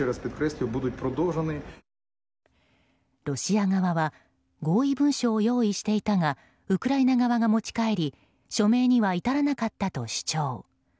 ロシア側は合意文書を用意していたがウクライナ側が持ち帰り署名には至らなかったと主張。